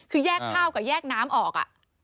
คือแยกข้าวกับแยกน้ำออก